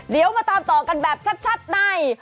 เดี๋ยวมาตามต่อกันแบบชัดใน